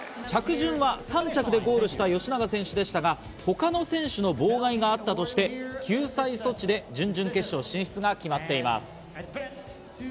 着順は３着でゴールした吉永選手でしたが、他の選手の妨害があったとして救済措置で準々決勝進出が決まっています。